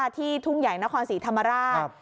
ที่ทุ่งใหญ่นครสีธรรมราส